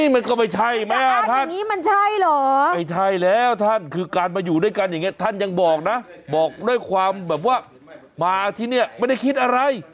มันก็ไม่ใช่แม่ท่านนี้มันใช่เหรอไม่ใช่แล้วท่านคือการมาอยู่ด้วยกันอย่างนี้ท่านยังบอกนะบอกด้วยความแบบว่ามาที่นี่ไม่ได้คิดอะไร